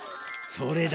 それだ！